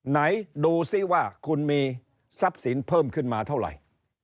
ไหนดูซิว่าคุณมีทรัพย์สินเพิ่มขึ้นมาเท่าไหร่